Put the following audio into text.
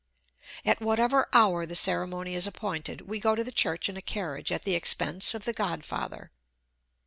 At whatever hour the ceremony is appointed, we go to the church in a carriage at the expense of the godfather.